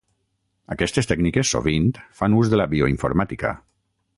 Aquestes tècniques sovint fan ús de la bioinformàtica.